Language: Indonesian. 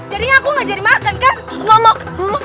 jadinya aku gak jadi makan kan